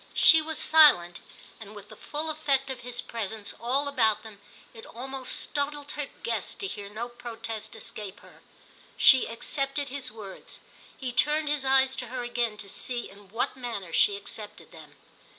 She was silent, and with the full effect of his presence all about them it almost startled her guest to hear no protest escape her. She accepted his words, he turned his eyes to her again to see in what manner she accepted them.